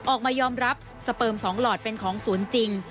ออกมายอมรับสเปิม๒หลอดเป็นของศูนย์จริง